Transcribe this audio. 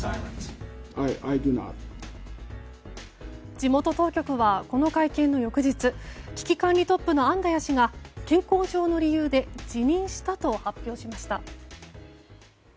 地元当局はこの会見の翌日危機管理トップのアンダヤ氏が健康上の理由で辞任したと発表しました。